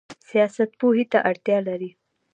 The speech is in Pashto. سیاست پوهې ته اړتیا لري؟